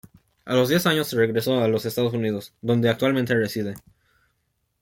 A los diez años se regresó a los Estados Unidos, donde actualmente reside.